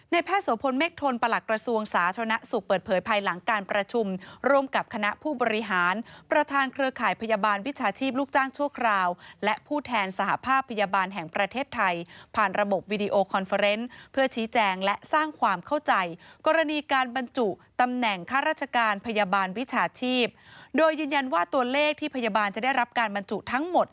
ในแพทย์สวพลเมคทนประหลักกระทรวงสาธารณสุขเปิดเผยภายหลังการประชุมร่วมกับคณะผู้บริหารประธานเครือข่ายพยาบาลวิชาชีพลูกจ้างชั่วคราวและผู้แทนสหภาพพยาบาลแห่งประเทศไทยผ่านระบบวิดีโอคอนเฟอร์เรนต์เพื่อชี้แจงและสร้างความเข้าใจกรณีการบรรจุตำแหน่งค่าราชการพยาบาลวิชาช